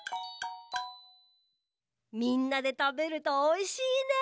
みんなでたべるとおいしいね。